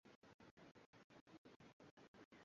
jua tu matangazo haya unayapata popote kupitia wavuti